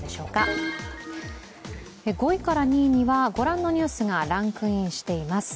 ５位から２位にはご覧のニュースがランクインしています。